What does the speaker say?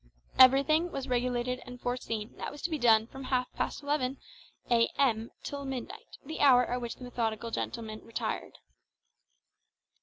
Everything was regulated and foreseen that was to be done from half past eleven a.m. till midnight, the hour at which the methodical gentleman retired.